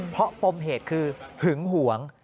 เพราะปมเหตุคือหึงหวง